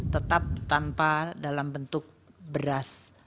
tetap tanpa dalam bentuk beras